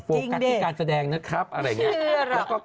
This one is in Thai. จริงดิจริงพวกการที่การแสดงนะครับอะไรอย่างนี้ชื่อหรอ